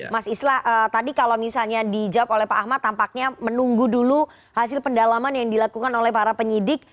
mas islah tadi kalau misalnya dijawab oleh pak ahmad tampaknya menunggu dulu hasil pendalaman yang dilakukan oleh para penyidik